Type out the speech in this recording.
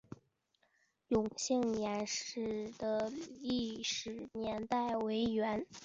永兴岩寺的历史年代为元。